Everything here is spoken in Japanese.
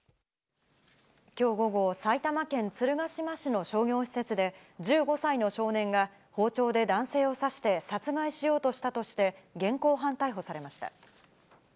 きょう午後、埼玉県鶴ヶ島市の商業施設で、１５歳の少年が包丁で男性を刺して殺害しようとしたとして、現行犯逮捕されました。